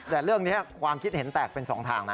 แต่เรื่องนี้ความคิดเห็นแตกเป็น๒ทางนะ